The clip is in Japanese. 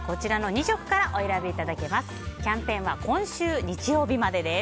２色からお選びいただけます。